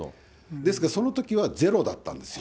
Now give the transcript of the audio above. ですから、そのときはゼロだったんですよ。